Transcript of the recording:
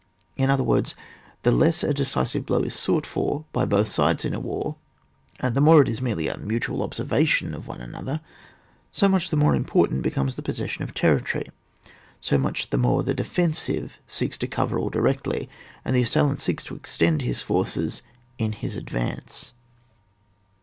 In other words, the less a decisive blow is sought for by both sides in a war, and the more it is merely a mutual observation of one another, so much the more important be comes the possession of territory, so much the more the defensive seeks to cover all directly, and the assailant seeks to extend his forces in his advance.